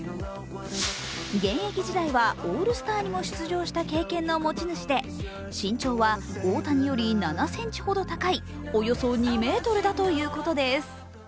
現役時代はオールスターにも出場した経験の持ち主で身長は大谷より７ｃｍほど高いおよそ２ｍだということです。